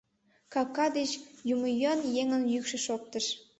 — капка деч омыюан еҥын йӱкшӧ шоктыш.